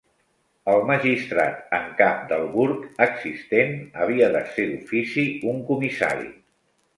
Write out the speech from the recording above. El magistrat en cap del burg existent havia de ser, "d'ofici", un comissari.